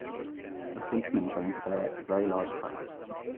A policeman trying to direct a very large crowd.